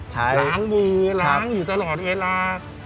ล้างมือล้างอยู่ตลอดเวลา